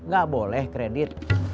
gak boleh kredit